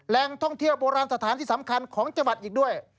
แหล่งท่องเที่ยวโบราณสถานที่สำคัญของจังหวัดอีกด้วย